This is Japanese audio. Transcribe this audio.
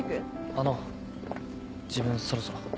あの自分そろそろ。